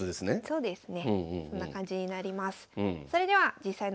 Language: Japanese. そうですね。